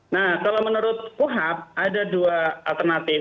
nah kalau menurut kuhap ada dua alternatif